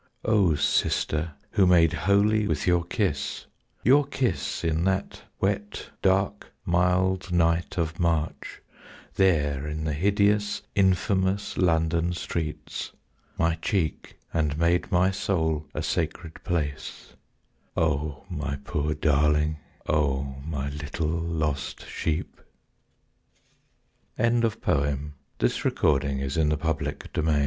O sister who made holy with your kiss, Your kiss in that wet dark mild night of March There in the hideous infamous London streets My cheek, and made my soul a sacred place, O my poor darling, O my little lost sheep! THE